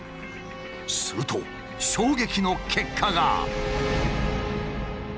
すると衝撃の結果が。